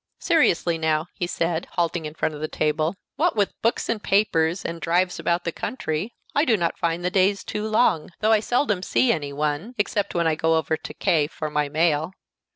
Seriously, now," he said, halting in front of the table, "what with books and papers and drives about the country, I do not find the days too long, though I seldom see any one, except when I go over to K for my mail.